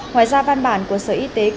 ngoài ra văn bản của sở y tế